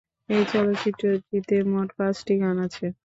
এই চলচ্চিত্রটিতে মোট পাঁচটি গান আছে।